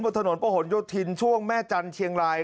ที่เกิดขึ้นบนถนนโปะหลยดทินช่วงแม่จันทร์เชียงราย